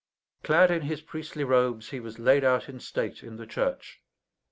Clad in his priestly robes, he was laid out in state in the church.